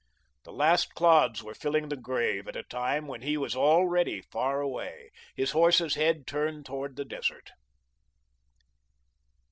The last clods were filling the grave at a time when he was already far away, his horse's head turned toward the desert.